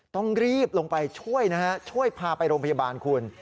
ต้องรีบลงไปช่วยนะฮะช่วยพาไปโรงพยาบาลคุณ